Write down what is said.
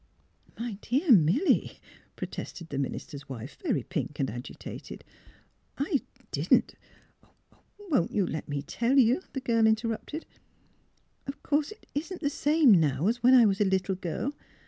" My dear Milly," protested the minister's wife, very pink and agitated, "■ I didn't "" Won't you let me tell you? " the girl inter rupted. " Of course it isn't the same now as when I was a little girl.